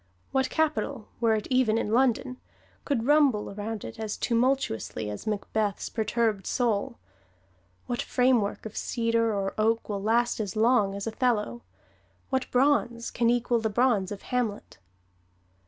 What capital, were it even in London, could rumble around it as tumultuously as Macbeth's perturbed soul? What framework of cedar or oak will last as long as "Othello"? What bronze can equal the bronze of "Hamlet"?